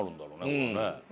これね。